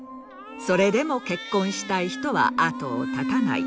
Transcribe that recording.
それでも結婚したい人は後をたたない。